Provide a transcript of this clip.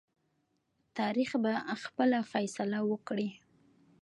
تاریخ به خپل فیصله وکړي.